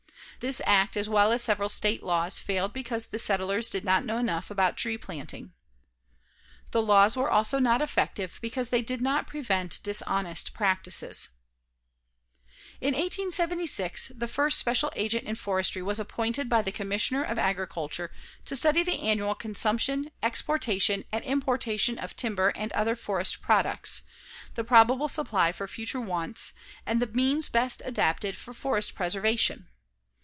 This act, as well as several State laws, failed because the settlers did not know enough about tree planting. The laws also were not effective because they did not prevent dishonest practices. In 1876, the first special agent in forestry was appointed by the Commissioner of Agriculture to study the annual consumption, exportation and importation of timber and other forest products, the probable supply for future wants, and the means best adapted for forest preservation.